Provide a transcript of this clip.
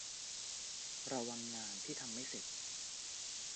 ระวังงานที่ทำไม่เสร็จ